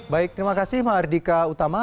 baik terima kasih mbak ardika utama